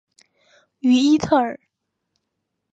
于伊特尔。